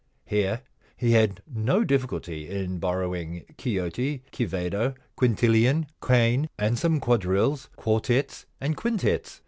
Here he had no difficulty in borrowing Quixote, Quivedo, Quintillian, Quain, and some quadrilles, quar tets, and quintets.